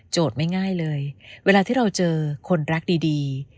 ไม่ง่ายเลยเวลาที่เราเจอคนรักดี